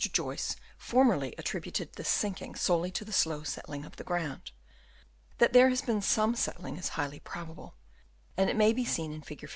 Joyce formerly attributed this sinking solely to the slow settling of the ground. That there has been some settling is highly probable, and it may be seen in Fig.